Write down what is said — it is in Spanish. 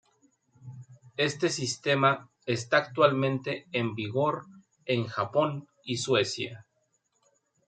Este sistema está actualmente en vigor en Japón y Suecia.